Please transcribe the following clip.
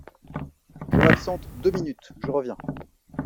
Je m'absente deux minutes, je reviens.